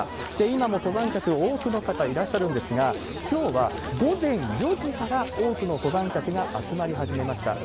今も登山客、多くの方いらっしゃるんですが、きょうは午前４時から多くの登山客が集まり始めました。